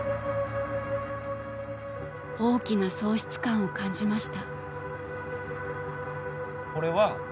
「大きな喪失感を感じました」。